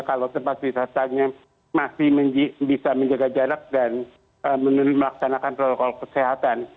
kalau tempat wisatanya masih bisa menjaga jarak dan melaksanakan protokol kesehatan